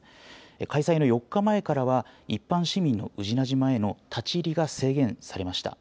開催の４日前からは、一般市民の宇品島への立ち入りが制限されました。